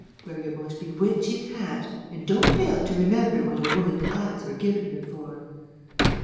Wear your most bewitching hat, and don't fail to remember what a woman's eyes were given her for."